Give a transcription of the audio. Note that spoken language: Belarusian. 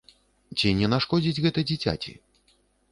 Ці не нашкодзіць гэта дзіцяці?